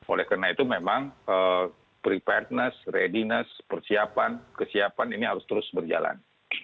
oleh karena itu memang preparedness readiness persiapan kesiapan ini harus terus berjalan